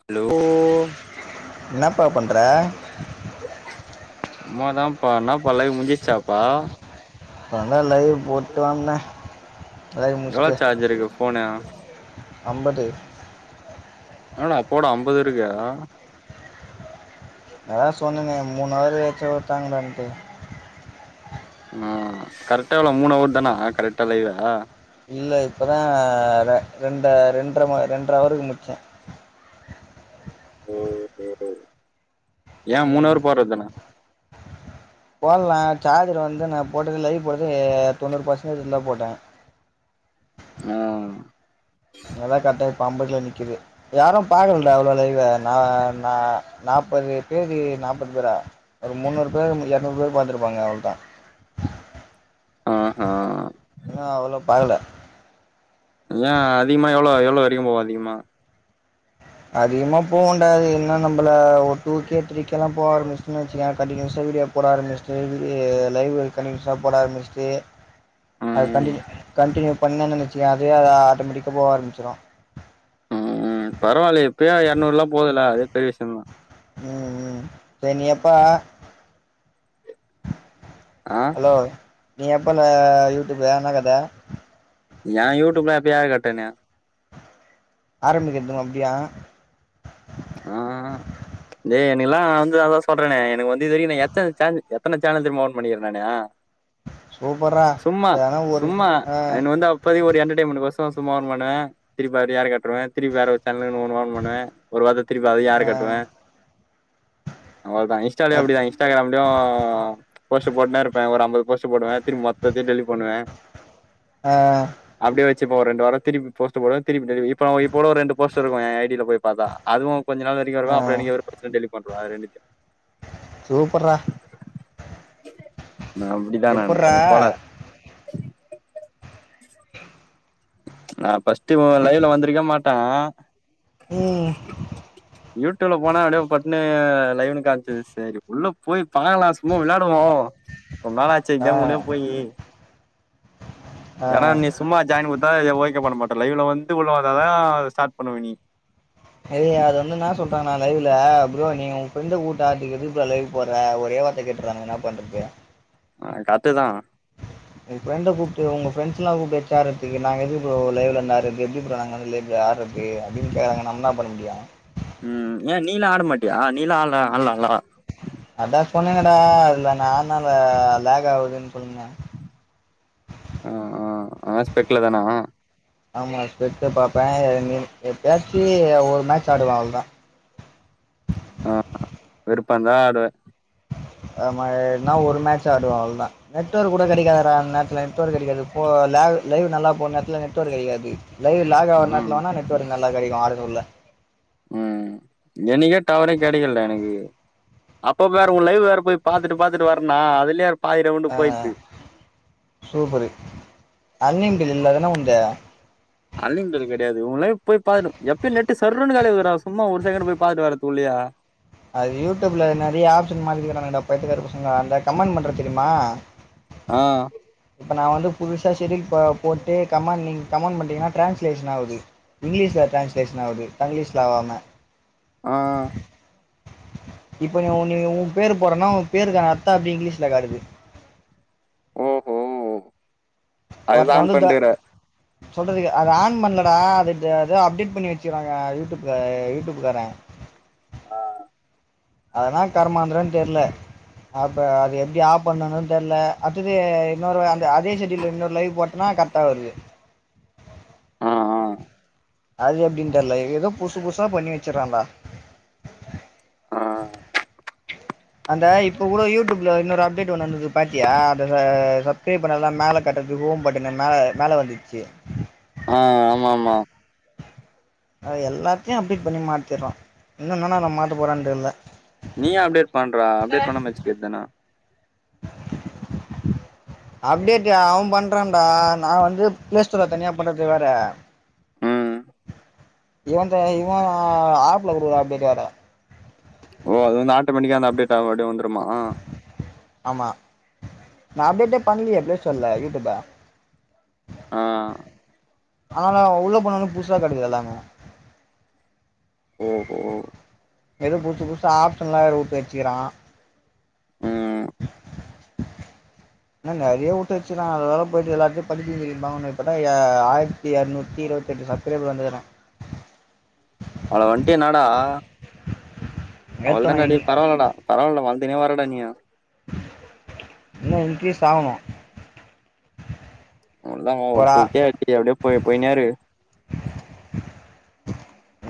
Hello என்னப்பா பண்ணுற சும்மாதாம்ப்பா என்னப் பல்லவி முடிஞ்சிருச்சாப்பா அதெல்லா லைவ் போட்டு வந்த இப்பதா இத எவ்ளோ முடிச்சிட்டு சார்ஜ் இருக்கு ஃபோனு அம்பது என்னடா போடா அம்பது இருக்கு அதா சொன்னனே மூணவரு வெச்சி வுத்தாங்கடான்ட்டு ஆ கரெக்டா எவ்ளோ மூனவர்தானா கரெக்டா லைவ்வ இல்ல இப்பதா ரெ ரெண்ட ரெண்ர ரெண்ற அவருக்கு முட்ச்சோ ஓ ஹோ ஹோ ஏ ம் மூணாறு போறதுதானே போல்ன ஜார்ஜர் வந்து நா போட்டது லைவ் போடுது தொண்ணூறு பர்சன்டேஜ் தான் போட்டேன் ஆ எல்லா கரெக்ட்டா இப்ப அம்பதுல நிக்குது யாரும் பாக்கலடா அவ்ளவு இவ நா நா நாப்பது பேரு நாப்பது பேரா ஒரு முன்னூறு பேரு இறநூறு பேரு பாத்துருப்பாங்க அவ்ளோதா ஆஹா ஏன்னா அவ்வளோ பாக்கல இல்ல அதிகமா எவ்வளோ எவ்வளோ வரைக்கும் போவு அதிகமா அதிகமா போகுண்டா அது என்ன நம்மள ஒரு டூ கே த்ரி கேலா போக ஆரம்பிச்சுன்னு வச்சுக்கோய கண்டினியூஸா வீடியோ போட ஆரம்பிச்சுட்டு இது லைவு கன்டினியூஷா போட ஆரம்மிச்சுட்டு அது ம் கண்டினியூ கண்டினியூ பண்ணன் வச்சிக்கோயன் அதுவே அது ஆட்டோமெட்டிக்காக போக ஆரம்மிச்சிரும் ம் பரவாயில்ல இப்பயே இறநூறுலாம் போதுல அதே பெரிய விஷயம்தான் ம் ம் பெனியப்பா அ ஹலோ நீ எப்போல யூடியூப்பு என்ன கத ஏ யூடிப்லா எப்பயோ ஏரக்கட்டேன ஆரம்பிக்கிறதும் அப்டியா ஆ டேய் எனக்குல்லாம் நா வந்து அதான் சொல்றனே எனக்கு வந்து இது வரைக்கும் நா எத்தன சே எத்தன சேனல் தெரியுமா ஓபன் பண்ணிருக்க நானு சூப்பர்ரா சும்மா எதனா ஒரு சும்மா ஆ எனக்கு வந்து அப் ப்போதைக்கு ஒரு என்டர்டெயன்மெண்ட்க்கு வருஷம் வருஷம் சும்மா ஓபன் பண்ண திருப்பி அதய ஏரகட்டுருவேன் திருப்பி வேற சேனல் ஒன்னு ஓபன் பண்ணுவேன் ஒரு வாரத்துல திருப்பி அதையு ஏரகட்டுவேன் ஆ அவ்ளோதான் இன்ஸ்டாலயும் அப்டிதான் இன்ஸ்டாகிராம்லயும் போஸ்ட் போட்டுனே இருப்பேன் ஒரு அம்பது போஸ்ட் போடுவேன் திருப்பி மொத்ததையும் டெலிட் பண்ணுவன் ஆ அப்டியே வச்சுப்ப ஒரு ரெண்டு வாரம் திருப்பி போஸ்ட் போடுவ திருப்பி டெலி இப்ப இப்போ கூட ஒரு ரெண்டு போஸ்ட் இருக்கும் என் ஐடியில போய் அதுவும் கொஞ்ச நாள் வரைக்கும் ஆ இருக்கும் அப்றம் எனக்கே வெறுப்பு அடிச்சிரும் டெலிட் பண்ருவே அது ரெண்டுத்தையும் சூப்பர்ட்றா நா அப்டிதாணா எனக்கு எப்புட்றா கொஞ்சோ கோளாரு நா ஃபர்ஸ்ட்டு உங்க லைவ்ல வந்துருக்கவே மாட்டேன் ம் யூடியூப்ல போனா அப்படிய பட்டுன்னு லைவ்ன்னு காமிச்சுது சேரி உள்ள போய் பாக்கலா சும்மா விளையாடுவோம் ரொம்ப நாள் ஆச்சு ஆ கேம் உள்ளே போயி ஏன்னா ஆ நீ சும்மா ஜாயின் குடுத்தா ஓகே பண்ண மாட்ட லைவ்ல வந்துட்டு உள்ள வந்தாதான் ஸ்டார்ட் பண்ணுவ நீ ஐயோ அது வந்து என்ன சொல்றானா லைவ்ல ப்ரோ நீங்க உங்க ஃப்ரெண்ட கூட்டா அதுக்கு எதுக்கு ப்ரோ லைவ் போட்ற ஒரே வார கேட்டுறாங்க என்ன பண்றது ஆ கரெட்டுதான் உங்க ஃப்ரண்ட கூப்ட்டு உங்க ஃப்ரெண்டஸ்லாம் கூப்ட்டு ஆரம்பிச்சி நாங்க எதுக்கு ப்ரோ லைவ்ல வந்து ஆட்றது எப்படி ப்ரோ நாங்க வந்து லைவ்ல ஆட்றது ட்றது அப்டின்னு கேக்குறாங்க நம்ம என்ன பண்ண முடியும் ம் ஏன் நீல்லா ஆட மாட்டியா நீல்லா ஆட்லா ஆட்லால்லா அதா சொன்னலடா இதுல நான்னால லேக் ஆகுதுன்னு சொன்னல்ல ஆ ஆ ஆஸ்பெட்லதானா ஆமா பெட்ட பாப்பேன் எப்பயாச்சு ஒரு மேட்ச் ஆடுவேன் அவ்ளோதான் ஆ விருப்பம் இருந்தா ஆடுவ அ மாரி ந ஒரு மேட்ச ஆடுவ அவ்ளோதான் நெட்வொர்க் கூட கெடைக்காதுடா அந் நேரத்துல நெட் ஓர்க் கெடைக்காது போ லேவ் லைவ் நல்லா போற் நேரத்துல நெட்ஒர்க் கெடைக்காது லைவ் லாக் ஆவுர ம் நேரத்துல வேணா நெட்ஓர்க் நல்லா கெடைக்கு ஆரனூர்ல ம் எனக்கே டவரே கெடைக்கல்டா எனக்கு அப்ப வேற உ லைவ் வேற போய் பாத்துட்டு பாத்துட்டு வரேனா அதுலே அ சூப்பரு அன்லிமிடெட் இல்ல தானா உன்து அன்லிமிடெட் கெடயாது உ லைவ் போய் பாத்துட்டு எப்ப நெட்டு சர்ன்னு காலியாதுடா சும்மா ஒரு செகண்ட் போய் பாத்துட்டு வரதுக்குள்ளயே அது யூடியூப்ல் நெறய ஆப்ஷன் மாத்திக்கிறானுங்கடா பயித்தியக்கார பசங்க அந்த கமெண்ட் பண்றோ தெரிமா ஆ இப்ப நா வந்து புதுசா ஷெடியூல் ப போட்டு கமண்ட் நீ கமெண்ட் பண்ணிங்ன்னா ட்ரான்ஸ்லேஷன் ஆவுது இங்கிலீஷ்ல ட்ரான்ஸ்லேஷன் ஆவுது டங்கிலீஷ்ல ஆவாம ஆ இப்போ நீ ஒன்னு உ பேரு போடுறேன்னா உ பேருக்கு அர்த்தோ அப்டி இங்கிலீஷ்ல காட்டுது ஓஹோ ஒருத்த அதுதான் வந்து த பண்ற சொல்றதுக்கு அத ஆன் பண்லடா அது அது அப்டேட் பண்ணி வச்சுறாங்க யூடியூப்ல யூடியூப்காரே ஆ அதுன்னா கருமாந்திரன் தெர்ல அப்ப அது எப்டி ஆப் பண்ணணுனு தெர்ல அடுத்தது இன்னொரு அந்த அதே ஷெடியூல்ல இன்னொரு லைவ் போட்டேன்னா கர் ட்டா வருது ஆ ஆ அது எப்டின் தெர்ல ஏதோ புசு புசா பண்ணி வச்சுறான்டா ஆ அந்த இப்ப கூட யூடியூப்ல இன்னொரு அப்டேட் ஒன்னு வந்துது பாத்தியா அந்த சப்ஸ்கிரைப் பண்ணதுலா மேல காட்றதுக்கு பட் என்னன்னா மேல வந்துச்சு ஆ ஆமா ஆமா அ எல்லாத்தயு அப்டேட் பண்ணி மாத்திரா இன்னு என்னன்னலா மாத்த போறான் தெர்ல நீ ஏ அப்டேட் பண்றா ஆ அப்டேட் பண்ணாம வச்சுக்க வேண்ட்தான அப்டேட் அவ பண்றான்டா நா வந்து பிளேஸ்டோர்ல தனியா பண்றது வேற ம் இவன்த இவ ஆப்ல குடுக்ற அப்டேட் வேற ஓ அது வந்து ஆட்டோமேட்டிக்கா அந்த அப்டேட் அப்டியே வந்துருமா ஆமா நா அப்டேட்டே பண்லியே ப்ளேஸ்டோர்ல யூடியூப்ப ஆ ஆனாலு உள்ள போனாலு புசா காட்டுது எல்லாமே ஓஹோ எதோ புதுசு புதுசா ஆப்ஷனலா வேற வுட்டு வச்சுறா ம் இன்னு நெறய வுட்டு வச்சுறா அதனால போயிட்டு எல்லாத்தயு [unintelligible] ஆயி த்தி இரநூத்தி இருபத்தெட்டு சப்ஸ்கிரைபர் வந்துகிறா அவனு வந்ட்டு என்னடா ஏத்தணு அவ்ளதானேடா இன் பரவாலடா பரவாலடா வளந்துனே வரடா நீ இன்னு இன்க்ரீஸ் ஆவணு அவ்ளோ தா டூ கே த்ரீ கே அப்டியே போ போய்னேரு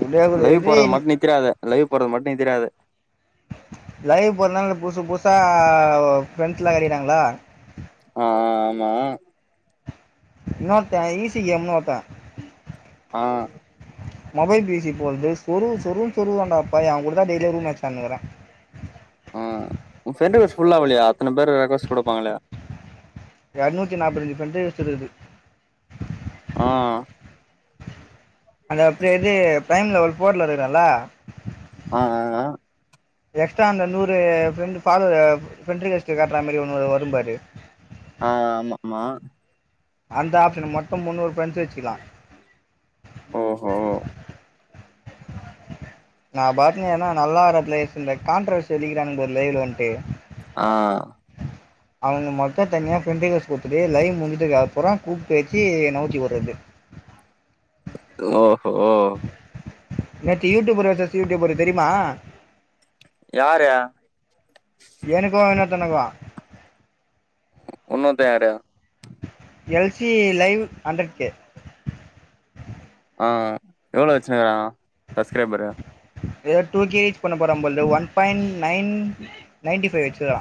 ஒரே ஒரு லைவ் இது போடுறது மட்டு நித்திராத லைவ் போடுறது மட்டு நித்திராத லைவ் போடுறனால புசு புசா ப்ரெண்டஸ்லா கெடைக்குறாங்களா ஆமா இன்னொ தைசி கேம்மோட ஆ மொபைல் பேசி போலருக்குது சொரு சொருனு சொருறான்டா பய அவ கூட தா டெய்லியு ரூம் மச் அன்னுங்கிற ஆ உ ஃப்ரண்டுவ புல்லா ஆவலாயா இத்தன பேரு ரெக்வஸ்ட் குடுப்பாங்க இல்லயா எரநூத்தி நாற்பத்தஞ்சிஞ ப்ரெண்டு சொல்லுது ஆ அது அப்டி இது பேங்ல ஒரு போர்ல இருக்குறல ஆ ஆ அ எக்ஸ்ட்ரா அந்த நூறு ஃப்ரெண்டு ஃபாதரு ஃப்ரெண்ட்ரிக்வஸ்ட் காட்ற மாரி ஒன்னு வரும்பாரு ஆ ஆமா ஆமா அந்த ஆப்ஷன மட்டு முன்னூறு ஃப்ரண்ட்ஸ் வச்சில்லா ஓஹோ நா பாத்தீங்கன நல்லா வர ப்ளேஸு இந்த கான்ட்ரவர்சி அடிக்கிறானுங்க பாரு லைவ்ல வன்ட்டு ஆ அவங்க மட்டு தனியா ஃப்ரெண்டிக்வஸ்ட் குடுத்துட்டு லைவ் முஞ்சிட்டுக்கு அப்பறோ கூப்பி வச்சி நவுத்தி வுட்றது ஓஹோ நேத்து யூடியூபர் வெசஸ் யூடியூபர் தெரிமா யாரு எனக்கு இன்னேர்தனுக்கு இன்னொருத்தன் யாரு? L C I live hundred K ஆ எவ்ளோ வச்சுன்னுக்குறா சப்ஸ்கிரைபரு எதோ டூ கே ரீச் பண்ண போறா ‌போல one point nine nine ninety five வச்சுக்குறா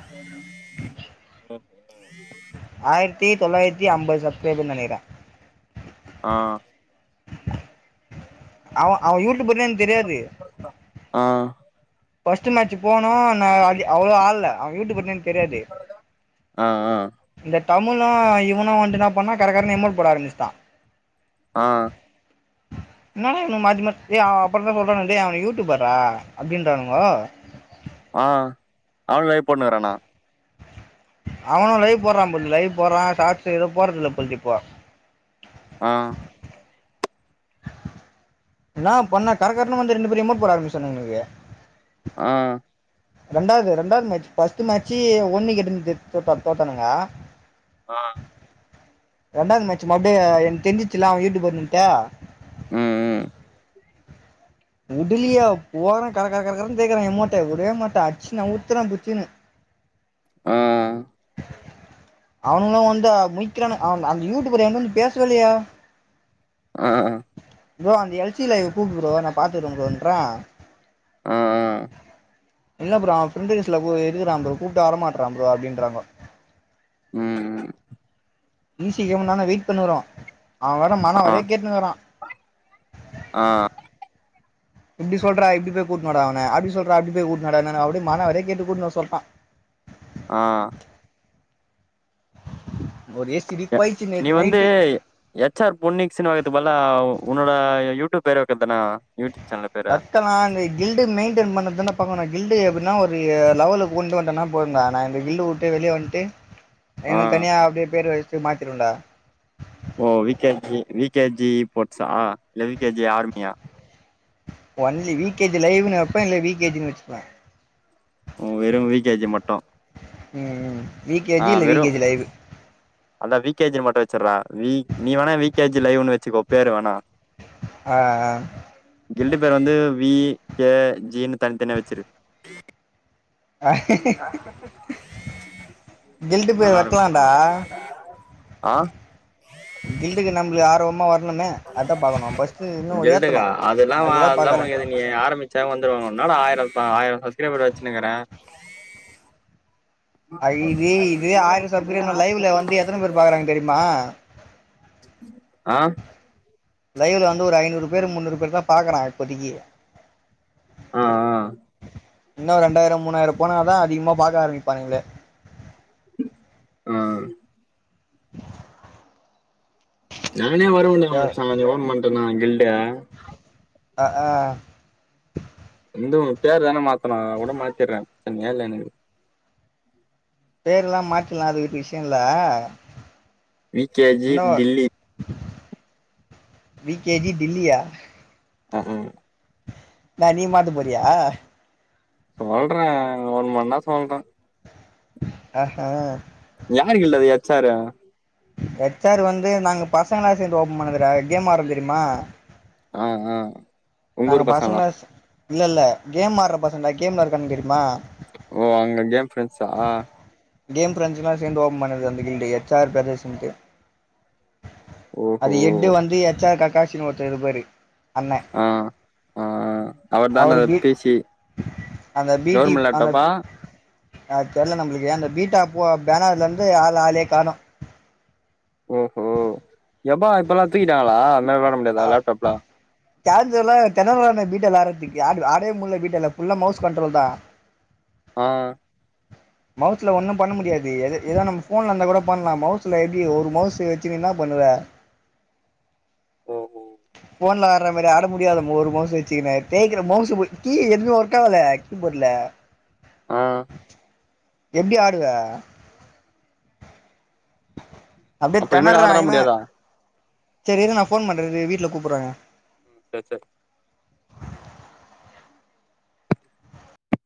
ஆயிரத்தி தொள்ளாயிரத்தி ஐம்பது சப்ஸ்கிரைபர் நெனைக்கிற ஆ அவ அவ யூடிப்ர்னே எனக் தெரியாது ம் ஃபஸ்ட்டு மேட்சு போனோ நா அ அவ்ளோ ஆள்ல்ல அவ யூடிபர்னே எனக் தெரியாது ஆ ஆ இந்த டமுணு இவனு வந்ட்டு இன்னா பண்ணா கரகரனு எல்மட் போட ஆரம்பிச்ட்டா ஆ என்னடா இவுன்க மாத்தி மாத் ஏய் ஆ அப்பறோதா சொல்றாங்க டேய் அவ யூடிபர்றா அப்டின்றாங் ஆ ஆ அவனுலே போட்னுருக்கானா அவனு லைவ் போட்றான் போல்து லைவ் போறான் சாட்ஸ் எது போட்றதில்ல போல்து இப்போ ஆ இன்னா பண்ண கரகரனு வந்து ரெண்டு பேரு எல்மெட் போட ஆரம்பிச்னோங்களுக்கு ஆ ரெண்டாது ரெண்டாது மேட்ச் ஃபர்ஸ்ட்டு மேட்ச்சி ஓன்னி கெட்டுன் தோத் தோத்தானுங்க ஆ ரெண்டாது மேட்ச் மப்டி எனக் தெஞ்சிச்சுல அவ யூடிபர்ன்டு ம் ம் உடலியே போற கர கர கர கரன் தேய்க்றா எமோட்ட உடவே மாட்ட அட்ச்சு நவுத்துர புச்சினு ஆ அவுங்களா வந்து முழிக்குறான்ங்க அந்த யூடிபர் என்ட வந்து பேசவே இல்லயே ஆ ப்ரோ அந்த எல்சி லைவ் கூப்டு ப்ரோ நா பாத்துகிறன்ட்ற ஆ ஆ இல்ல ப்ரோ அவ ஃபிரிங்கல்ஸ் லவ்வு இருக்குறா ப்ரோ கூப்ட்டா வரமாட்றா ப்ரோ அப்டின்றாங்க ம் ம் ஈஸி கே முன்னான வெயிட் பண்ணுன்க்குறோ அவ வேற மானாவரியா கேட்டுன்க்குறா அ இப்படி சொல்றா இப்படி போய் கூட்டுனு வாடா அவன அப்டி சொல்றா அப்படி போய் கூட்டுன்னு வாடான்னு அப்டி மானவேரியா கேட்டு கூட்ன்னு வர சொல்றா அ ஒரு ஏசிடி போய்ச்சு நீ நேத்து வந்து நைட்டு எச் ஆர் பொன்னிக் சினிமா வக்கிறது பதிலா உ உன்னோட யூடியூ பேரு வைக்கறதுதான யூடியூப் சேனல் பேர நா இந்த கில்டு மெயின்டைன் பண்ணது பாக்கனு கில்டு எப்டின்னா ஒரு லெவலு கொண்டு வந்துட்டனா போதுடா நான் இந்த கில் வெளியே வந்துட்டு ஆ எனக்கு தனியா அப்டியே பேர் வச்சுட்டு மாத்திருவேண்டா ஓ V K G VK G போர்ட்ஸா இல்ல விகேஜி ஆர்மியா ஒன்லி வி கே ஜி லைவ்ன்னு வைப்பன் இல்ல விகேஜின்னு வச்சுப்பே வெறும் வி கே ஜி மட்டு ம்ம் வி கேஜி ஆ இல்ல வி வெறும் கேஜி லயரு அதா வி கே ஜி மட்டு வச்சிடறா வி நீ வேணா வி கே ஜி லைவ்ன்னு வச்சுக்கோ பேரு வேணா ஆ ஆ ஆ கெண்டு பேர் வந்து வி கே ஜினு தன்த்தனியா வச்சிரு கில்டு பேர் நல்லா வைக்கலான்டா இருக்கோபா அ கில்டுக்கு நம்மளுக்கு ஆர்வமா வரணுமே அதா பாக்கணு ஃபஸ்ட்டு இன்னு கில்ட்டுக்கா ஏத்தணு அதெல்லா அதுக்குதா அதெல்லா பாக்குறே உனக்கு எது நீ ஆரம்பிச்சா வந்துருவாங்க உன்னால ஆயிரம் ஆயிரம் சப்ஸ்கெரைபர் வச்சினுக்கிறே இது இது ஆயிரம் சப்கெரப லைவ்ல வந்து எத்தனை பேர் பாக்குறாங்க தெரியுமா அ லைவ்ல வந்து ஒரு ஐநூறு பேர் முந்நூறு பேர் தான் பாக்குறாங்க இப்பதைக்கு ஆ இன்னும் ரெண்டாயிரம் மூணாயிரம் போனாதா அதிகமா பாக்க ஆரம்பிப்பானீங்களே அ நானே வரவேன்டா மச்சா நீ போன் பண்ணிட்டேனா கில்ட அ அ வந்து உ பேர் தானே மாத்தணு கூட மாத்தடுறே சரில எனக்கு பேர் எல்லா மாத்திர்லா அது ஒரு விஷ்யோ இல்ல வி கே ஜி இன்னு கில்லி வி கே ஜி பில்லியா அ அ நான் நீ மாட்ட போறியா சொல்றே ஒன்மணா சொல்றே அ ஹ யாருக்கு இல்லது வெச்சாரா ஹச் ஆர் வந்து நாங்க பசங்களா சேந்து ஓப்பன் பண்ணதுற கேம் வர தெரியுமா அ அ நாங்க பசங்களா இல்ல இல்ல கேம் ஆட்ற பசங்களடா கேம்ல இருக்கானு தெரியுமா ஓ அங்க கேம் ஃப்ரெண்ட்ஸா கேம் பிரஞ்சலாம் சேர்ந்து ஓபன் பண்ணது அந்த கில்டு எ ச் ஆர் பேதர்சன்ட்டு ஓஹோ அது எட்டு வந்து எச் ஆர் ககாஷின் ஒருத்தரு இருப்பாரு அண்ண ஆ ஆ அவர் தான அவரு அது பி பிசி அந்த பீடி கவர்மெண்ட் அந்த லேப்டாப்பா அ தெரியல நம்மளுக்கு ஏன் அந்த பீட்டா போ பேனர்ல இருந்து ஆள் ஆளே காணம் ஓ எப்பா இப்ப எல்லா தூக்கிட்டாங்களா அந்த மாரி வெளாட முடியாதா லேப்டாப்லா யாருன்னு தெரில [unintelligible] பீட்டலா ஆட்ரதுக்கு ஆட ஆடவே முடியல பீட்டல்லா ஃபுல்லா மவுஸ் கண்ட்ரோல் தா அ மவுஸ்ல ஒன்னும் பண்ண முடியாது எத ஏதோ நம்ம ஃபோன்ல இருந்தா கூட பண்லா மவுஸ்ல எப்டி ஒரு மவுஸு வச்சு நீ இன்னா பண்ணுவ ஓஹோ ஃபோன்ல ஆற மாரி ஆட முடியாத ஒரு மவுசு வச்சி ன கேக்குற மவுசு புடுச் கீ எந்து ஓர்க்காவல கீ போடல ஆ எப்டி ஆடுவ அப்டியே அப்ப இனிமேல் தென்னறா ஆடலாம் இவ முடியாதா செரி இரு நா போன் பண்ற இரு வீட்ல கூப்புறாங்க ச ச